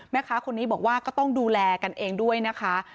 แม่ค้าคนนี้บอกว่าก็ต้องดูแลกันเองด้วยนะคะ